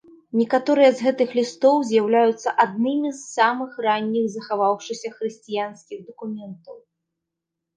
Некаторыя з гэтых лістоў з'яўляюцца аднымі з самых ранніх захаваўшыхся хрысціянскіх дакументаў.